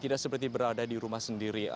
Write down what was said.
tidak seperti berada di rumah sendiri